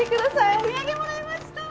お土産もらいました。